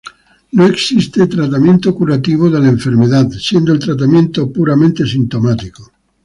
No existe tratamiento curativo de la enfermedad, siendo el tratamiento puramente sintomático.